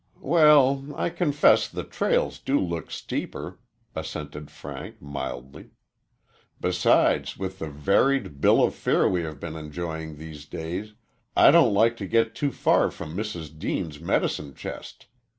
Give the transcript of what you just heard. "Well, I confess the trails do look steeper," assented Frank, mildly; "besides, with the varied bill of fare we have been enjoying these days, I don't like to get too far from Mrs. Deane's medicine chest.